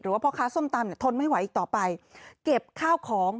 พ่อค้าส้มตำเนี่ยทนไม่ไหวอีกต่อไปเก็บข้าวของ